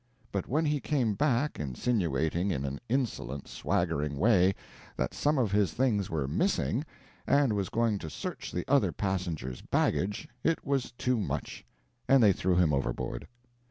But when he came back insinuating in an insolent, swaggering way, that some of his things were missing, and was going to search the other passengers' baggage, it was too much, and they threw him overboard.